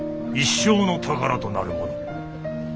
一生の宝となるもの。